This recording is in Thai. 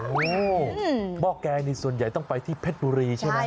โอ้โหหม้อแกงนี่ส่วนใหญ่ต้องไปที่เพชรบุรีใช่ไหม